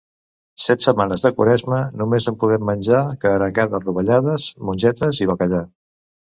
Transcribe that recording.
Set setmanes de Quaresma, només en podrem menjar que arengades rovellades, mongetes i bacallà.